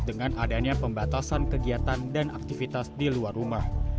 dengan adanya pembatasan kegiatan dan aktivitas di luar rumah